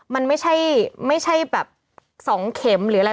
มันไม่ใช่แบบ๒เข็มหรืออะไร